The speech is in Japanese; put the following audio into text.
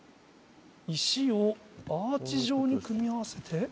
石をアーチ状に組み合わせて。